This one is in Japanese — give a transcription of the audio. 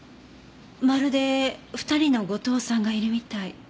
まるで２人の後藤さんがいるみたい。